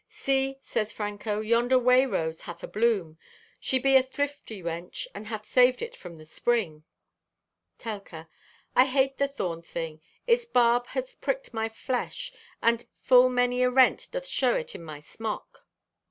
"See," says Franco, "Yonder way rose hath a bloom! She be a thrifty wench and hath saved it from the spring." Telka.—"I hate the thorned thing. Its barb hath pricked my flesh and full many a rent doth show it in my smock."